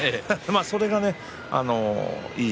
それがいい